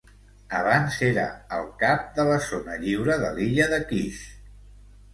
Abans era el cap de la zona lliure de l'illa de Kish.